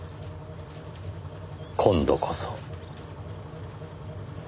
「今度こそ」